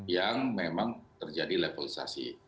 yang memang terjadi levelisasi